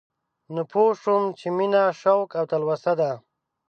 نو پوه شوم چې مينه شوق او تلوسه ده